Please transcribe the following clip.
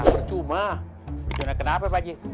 bercuma kenapa pak ajie